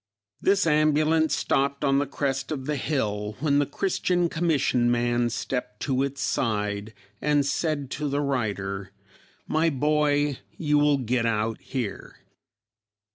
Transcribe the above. This ambulance stopped on the crest of the hill, when the Christian Commission man stepped to its side and said to the writer, "My boy, you will get out here."